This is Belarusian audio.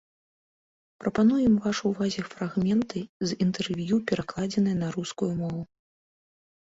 Прапануем вашай увазе фрагменты з інтэрв'ю, перакладзеныя на рускую мову.